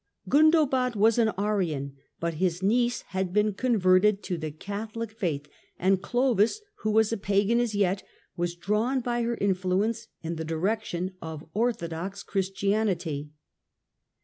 Gundobad was an Arian, but his niece had been converted to the Catholic faith, and Clovis, who was a pagan as yet, was drawn by her influence in the direction of orthodox Christianity.